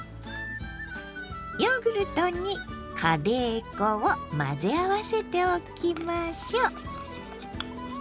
ヨーグルトにカレー粉を混ぜ合わせておきましょう。